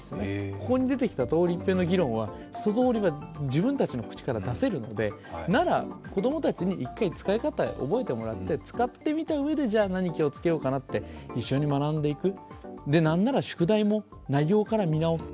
ここに出てきた通り一遍の議論は一とおり、自分たちの口から出せるのでなら、子供たちに一回使い方覚えてもらって、使って見たうえで、何を気をつけようかなと一緒に学んでいく、なんなら宿題も内容から見直す。